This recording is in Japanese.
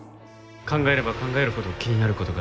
考えれば考えるほど気になる事が出てきて。